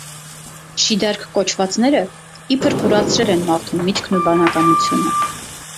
Շիդարք կոչվածները իբր կուրացրել են մարդու միտքն ու բանականությունը։